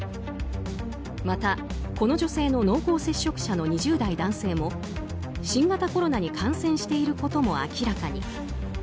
また、この女性の濃厚接触者の２０代の男性も新型コロナに感染していることも明らかに。